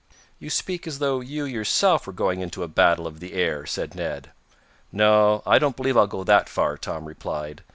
"You speak as though you, yourself, were going into a battle of the air," said Ned. "No, I don't believe I'll go that far," Tom replied.